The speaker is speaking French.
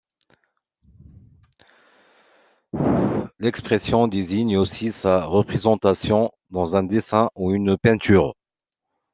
L'expression désigne aussi sa représentation dans un dessin ou une peinture.